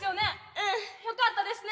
うん。よかったですね。